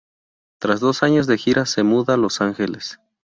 Tras dos años de gira, se muda a Los Ángeles.